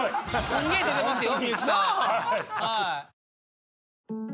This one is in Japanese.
すんげぇ出てますよ。